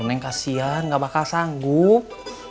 neng kasian gak bakal sanggup